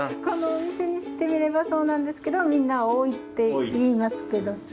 このお店にしてみればそうなんですけどみんな多いって言いますけど。